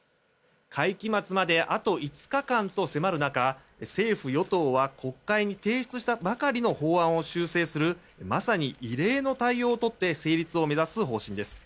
会期末まであと５日間と迫る中政府・与党は国会に提出したばかりの法案を修正するまさに異例の対応を取って成立を目指す方針です。